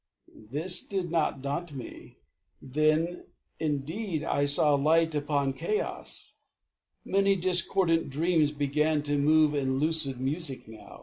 This did not daunt me, then. Indeed, I saw Light upon chaos. Many discordant dreams Began to move in lucid music now.